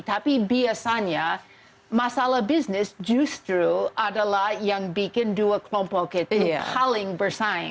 tapi biasanya masalah bisnis justru adalah yang bikin dua kelompok itu paling bersaing